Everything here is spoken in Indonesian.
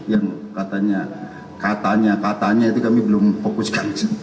yang katanya katanya itu kami belum fokuskan